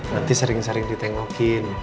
nanti sering sering ditengokin